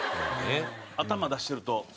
頭出してると。